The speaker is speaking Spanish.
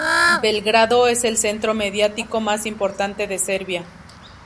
Belgrado es el centro mediático más importante de Serbia.